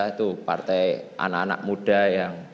itu partai anak anak muda yang